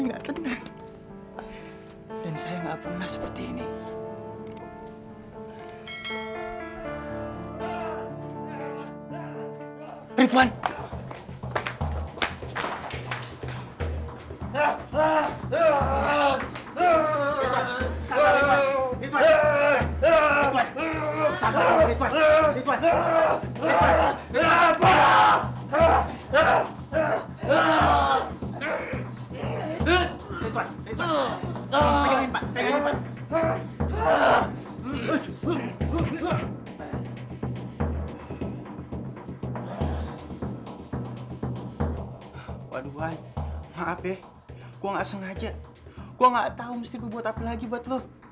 gue gak tahu mesti gue buat apa lagi buat lo